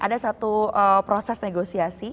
ada satu proses negosiasi